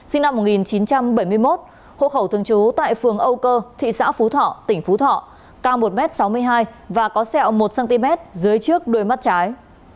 sinh năm một nghìn chín trăm bảy mươi một hộ khẩu thường trú tại phường âu cơ thị xã phú thọ tỉnh phú thọ cao một m sáu mươi hai và có sẹo một cm dưới trước đuôi mắt trái